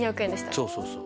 そうそうそう。